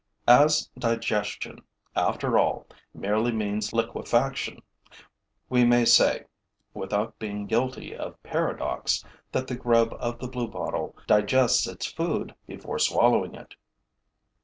As digestion, after all, merely means liquefaction, we may say, without being guilty of paradox, that the grub of the bluebottle digests its food before swallowing it.